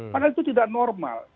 karena itu tidak normal